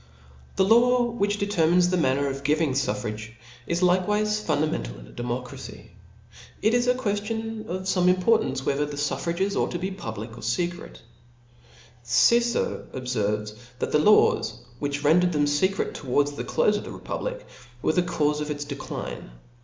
» The law which determines the manner of giving fuffrage, is likewife fundamental in ^ democracy. It is a queftion of fomc importance, whether the fufFrages ought to be public or fecret, Cicero ob* 0)lib. I. ferves.(*), that the laws f which rendered them ■^^' feeret towards the clofe of the republic, were the caufe of its. decline.